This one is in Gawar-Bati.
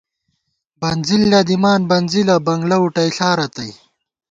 بنزِل لَدِمان بنزِلہ ، بنگلہ وُٹَئیݪا رتئ